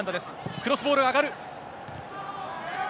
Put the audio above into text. クロスボールが上がる。